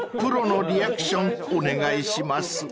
プロのリアクションお願いします］